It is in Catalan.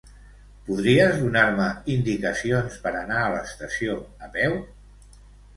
Podries donar-me indicacions per anar a l'estació a peu?